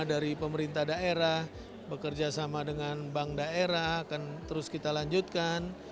dari pemerintah daerah bekerja sama dengan bank daerah akan terus kita lanjutkan